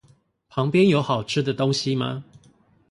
旁邊有好吃的東西嗎？